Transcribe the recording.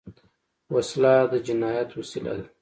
وسله د جنايت وسیله ده